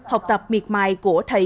học tập miệt mài của thầy cô